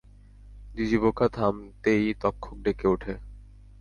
বিঝিপোকা থামতেই তক্ষক ডেকে ওঠে।